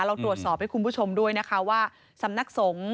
เราตรวจสอบให้คุณผู้ชมด้วยนะคะว่าสำนักสงฆ์